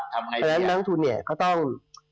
เพราะฉะนั้นน้องทูลเนี่ยก็ต้อง